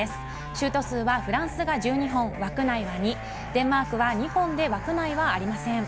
シュート数はフランスが１２本、枠内が２デンマークは２本で枠内はありません。